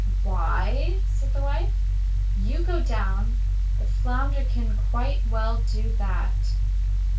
'Why?' said the wife. 'You go down; the flounder can quite well do that.